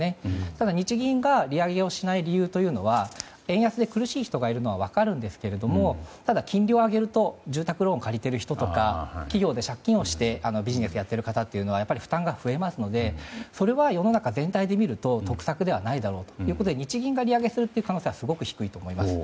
ただ、日銀が利上げをしない理由というのは円安で苦しい人がいるのは分かるんですけどもただ金利を上げると住宅ローンを借りている人とか企業で借金をしてビジネスをやっている方には負担が増えますのでそれは世の中全体でみると得策ではないということで日銀が利上げする可能性は低いと思います。